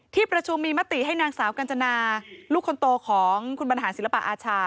ที่ประชุมมีมติให้นางสาวกัญจนาลูกคนโตของคุณบรรหารศิลปะอาชา